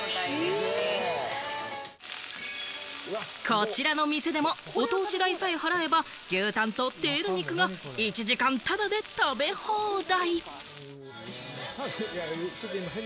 こちらの店でも、お通し代さえ払えば牛タンとテール肉が１時間、タダで食べ放題。